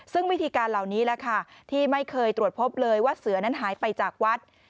ซึ่งวิธีการเหล่านี้แหละค่ะที่ไม่เคยตรวจพบเลยว่าเสือนั้นหายไปจากวัด